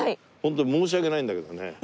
ホントに申し訳ないんだけどね。